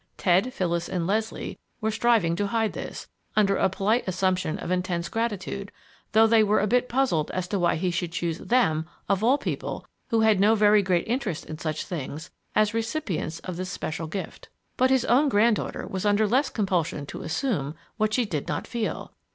Ted, Phyllis, and Leslie were striving to hide this, under a polite assumption of intense gratitude, though they were a bit puzzled as to why he should choose them, of all people, who had no very great interest in such things, as recipients of this special gift. But his own granddaughter was under less compulsion to assume what she did not feel.